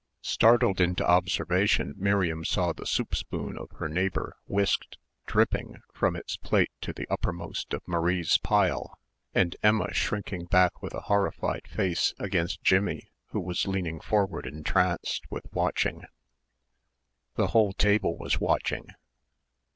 Startled into observation Miriam saw the soup spoon of her neighbour whisked, dripping, from its plate to the uppermost of Marie's pile and Emma shrinking back with a horrified face against Jimmie who was leaning forward entranced with watching.... The whole table was watching.